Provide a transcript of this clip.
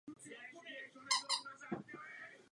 Cely mnichů jsou orientovány do centrální zahrady.